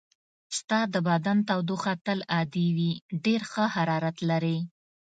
ستا د بدن تودوخه تل عادي وي، ډېر ښه حرارت لرې.